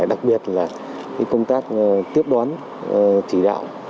đặc biệt là công tác tiếp đoán chỉ đạo